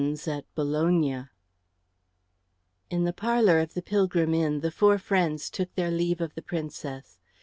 CHAPTER XXI In the parlour of the Pilgrim Inn the four friends took their leave of the Princess.